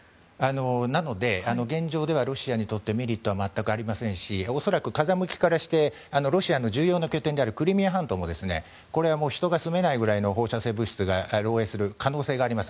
なので現状ではロシアにとってメリットは全くありませんし恐らく風向きからしてロシアの重要な拠点であるクリミア半島も人が住めないぐらいの放射性物質が漏洩する可能性があります。